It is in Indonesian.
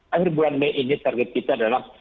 akhir bulan mei ini target kita adalah